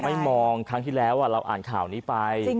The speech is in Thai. ไม่มองครั้งที่แล้วเราอ่านข่าวนี้ไป